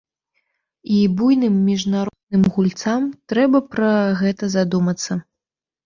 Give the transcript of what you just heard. І буйным міжнародным гульцам трэба пра гэта задумацца.